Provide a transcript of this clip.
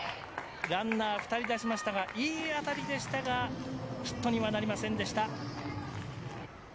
ランナー２人出しましたがいい当たりでしたがヒットにはなりませんでした。